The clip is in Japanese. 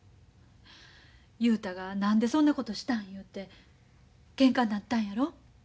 雄太が何でそんなことしたん言うてけんかになったんやろ？